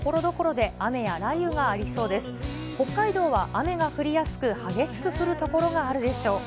北海道は雨が降りやすく、激しく降る所があるでしょう。